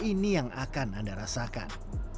ini yang akan anda rasakan